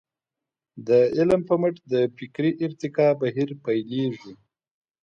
د علم په مټ د فکري ارتقاء بهير پيلېږي.